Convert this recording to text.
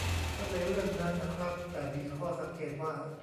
เข้าใจเรื่องนั้นนะครับ แต่มีข้อสังเกตว่า